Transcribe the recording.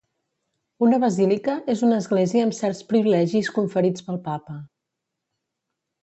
Una basílica és una església amb certs privilegis conferits pel Papa.